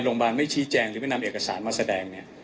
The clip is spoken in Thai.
โรงพยาบาลไม่ชี้แจงหรือไม่นำเอกสารมาแสดงเนี่ย